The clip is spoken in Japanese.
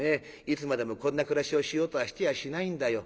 いつまでもこんな暮らしをしようとはしてやしないんだよ。